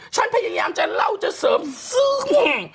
ฉันพยายามจะเล่าจะเสริมซึ่ง